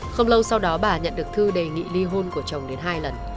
không lâu sau đó bà nhận được thư đề nghị ly hôn của chồng đến hai lần